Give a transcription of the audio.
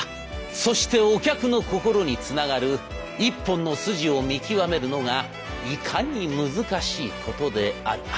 そしてお客の心につながる一本の筋を見極めるのがいかに難しいことであるか。